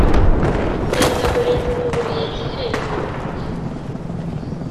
Jyenda Murezi nkuburiye igihembo!